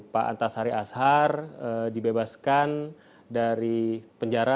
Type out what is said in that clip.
pak antasari ashar dibebaskan dari penjara